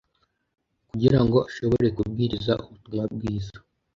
kugira ngo ashobore kubwiriza ubutumwa bwiza